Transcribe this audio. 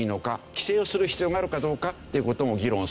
規制をする必要があるかどうかという事も議論する。